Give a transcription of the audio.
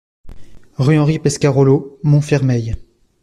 Rue Henri Pescarolo, Montfermeil